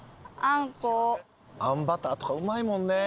あんバターとかうまいもんね。